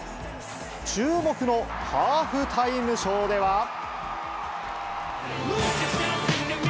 注目のハーフタイムショーでは。